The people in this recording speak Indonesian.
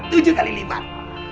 tujuh kali lipat